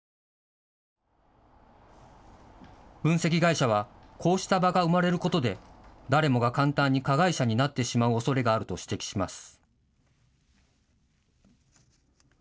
分析会社はこうした場が生まれることで誰もが簡単に加害者になってしまうおそれがあると指摘します。